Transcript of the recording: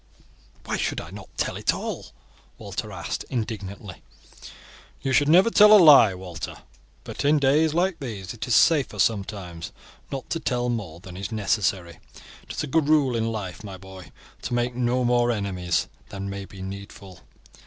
"Why should I not tell it all?" Walter asked indignantly. "You should never tell a lie, Walter; but in days like these it is safer sometimes not to tell more than is necessary. It is a good rule in life, my boy, to make no more enemies than may be needful.